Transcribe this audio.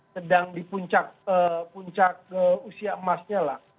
sedang di puncak usia emasnya lah